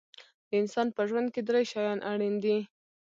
د انسان په ژوند کې درې شیان اړین دي.